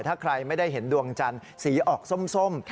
ถ้าใครไม่ได้เห็นดวงจันทร์สีออกส้ม